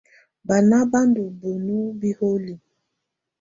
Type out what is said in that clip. Banà bà ndù bǝnu biholiǝ.